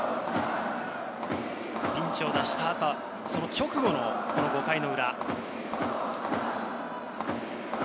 ピンチを脱した後は、その直後の５回の裏。